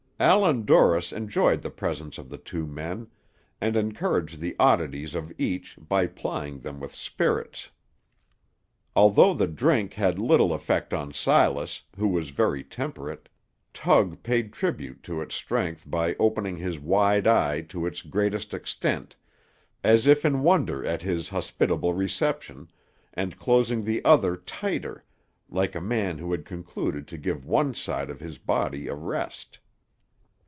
Allan Dorris enjoyed the presence of the two men, and encouraged the oddities of each by plying them with spirits. Although the drink had little effect on Silas, who was very temperate, Tug paid tribute to its strength by opening his wide eye to its greatest extent, as if in wonder at his hospitable reception, and closing the other tighter, like a man who had concluded to give one side of his body a rest.